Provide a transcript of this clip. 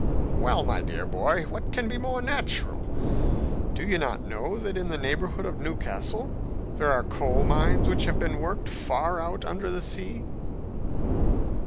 "Well, my dear boy, what can be more natural! Do you not know that in the neighborhood of Newcastle there are coal mines which have been worked far out under the sea?"